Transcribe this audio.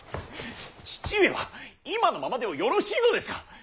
父上は今のままでよろしいのですか。